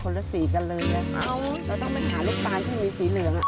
คนละสีกันเลยนะฮะแล้วต้องไปลูกตาลที่มีสีเหลือง